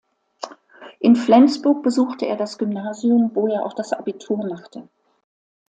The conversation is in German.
In Flensburg besuchte er das Gymnasium, wo er auch das Abitur machte.